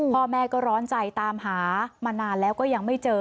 พ่อแม่ก็ร้อนใจตามหามานานแล้วก็ยังไม่เจอ